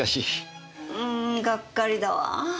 んがっかりだわ。